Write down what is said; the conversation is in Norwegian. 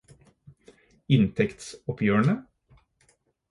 inntektsoppgjørene